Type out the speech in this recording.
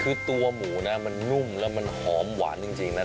คือตัวหมูนะมันนุ่มแล้วมันหอมหวานจริงนะ